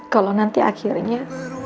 kalau nanti akhirnya